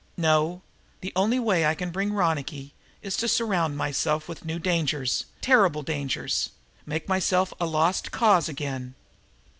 "No, the only way I can bring Ronicky is to surround myself with new dangers, terrible dangers, make myself a lost cause again.